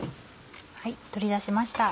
取り出しました。